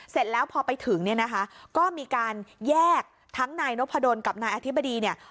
เสร็จแล้วพอไปถึงเนี่ยนะคะก็มีการแยกทั้งนายนพดลกับนายอธิบดีเนี่ย